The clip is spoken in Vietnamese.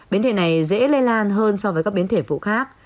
biến thể này dễ lây lan hơn so với các biến thể phụ khác